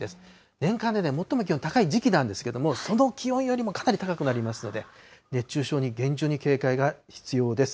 年間で最も気温高い時期なんですけれども、その気温よりもかなり高くなりますので、熱中症に厳重に警戒が必要です。